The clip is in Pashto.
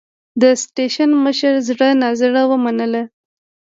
د سټېشن مشر زړه نازړه ومنله.